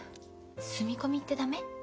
住み込みって駄目？